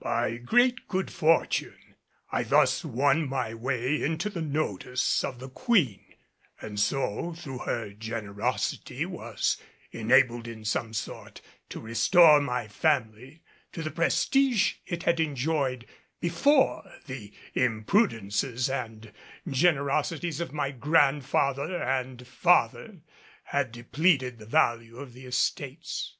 By great good fortune I thus won my way into the notice of the Queen, and so, through her generosity, was enabled in some sort to restore my family to the prestige it had enjoyed before the imprudences and generosities of my grandfather and father had depleted the value of the estates.